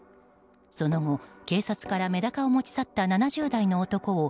その後、警察からメダカを持ち去った７０代の男を